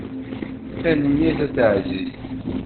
Tanemmirt a taɛzizt.